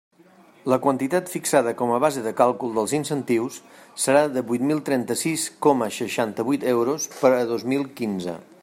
La quantitat fixada com a base de càlcul dels incentius serà de vuit mil trenta-sis coma seixanta-vuit euros per al dos mil quinze.